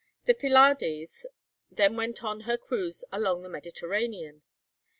The 'Pylades' then went on her cruise along the Mediterranean.